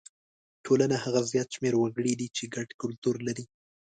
ټولنه هغه زیات شمېر وګړي دي چې ګډ کلتور لري.